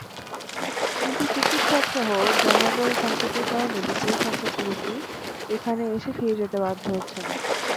কিন্তু চিকিৎসকসহ জনবল-সংকটের কারণে বিপুলসংখ্যক রোগী এখানে এসে ফিরে যেতে বাধ্য হচ্ছেন।